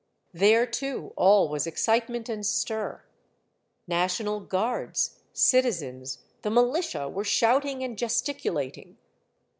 IV. There, too, all was excitement and stir. Na tional guards, citizens, the militia were shouting and gesticulating.